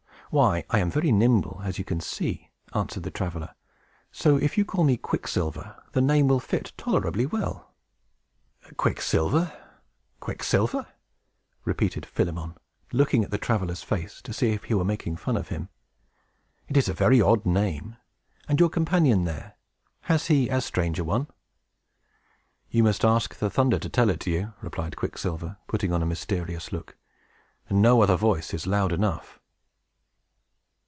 "Why, I am very nimble, as you see," answered the traveler. "So, if you call me Quicksilver, the name will fit tolerably well." "Quicksilver? Quicksilver?" repeated Philemon, looking in the traveler's face, to see if he were making fun of him. "It is a very odd name! And your companion there? Has he as strange a one?" "You must ask the thunder to tell it you!" replied Quicksilver, putting on a mysterious look. "No other voice is loud enough."